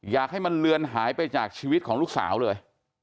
อยากให้มันเลือนหายไปจากชีวิตของลูกสาวเลย